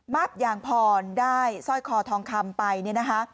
มับอย่างพอได้ซ่อยคอทองคำไปนี่นะคะ